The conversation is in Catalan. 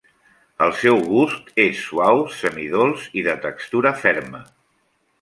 El seu gust és suau, semidolç i de textura ferma.